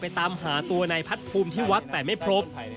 ตามหาตัวนายพัดภูมิที่วัดแต่ไม่พบ